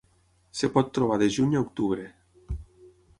Es pot trobar de juny a octubre.